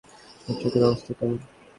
আপনার চোখের অবস্থা কেমন?